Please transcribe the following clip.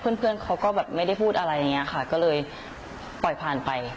เพื่อนเพื่อนเขาก็แบบไม่ได้พูดอะไรอย่างนี้ค่ะก็เลยปล่อยผ่านไป